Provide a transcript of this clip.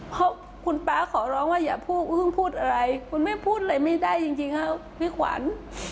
เพราะคุณป๊าขอร้องว่าอย่าพูดเพิ่งพูดอะไรคุณแม่พูดอะไรไม่ได้จริงครับพี่ขวัญ